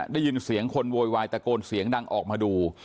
ได้ยินเสียงคนโวยวายตะโกนเสียงดังออกมาดู